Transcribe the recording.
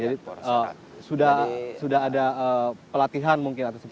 jadi sudah ada pelatihan mungkin atas itu